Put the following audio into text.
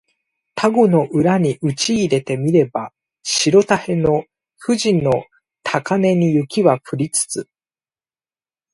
田子の浦にうちいでて見れば白たへの富士の高嶺に雪は降りつつ